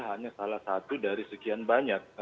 hanya salah satu dari sekian banyak